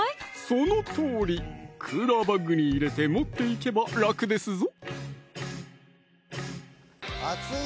そのとおりクーラーバッグに入れて持っていけば楽ですぞ